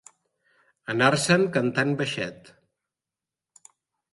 Anar-se'n cantant baixet.